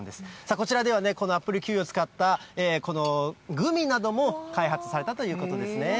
こちらでは、このアップルキウイを使ったこのグミなども開発されたということですね。